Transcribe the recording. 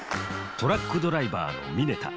トラックドライバーの峯田。